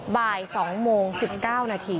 บ่าย๒โมง๑๙นาที